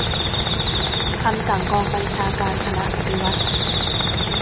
คำสั่งกองบัญชาการคณะปฏิวัติ